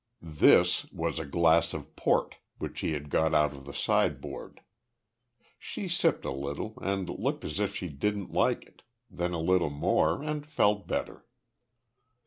"This" was a glass of port, which he had got out of the sideboard. She sipped a little, and looked as if she didn't like it, then a little more, and felt better.